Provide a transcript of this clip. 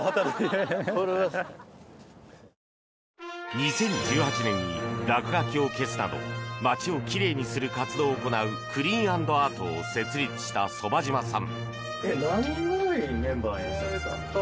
２０１８年に落書きを消すなど街を奇麗にする活動を行うＣＬＥＡＮ＆ＡＲＴを設立した傍嶋さん。